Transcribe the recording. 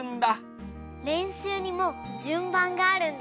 れんしゅうにもじゅんばんがあるんだね！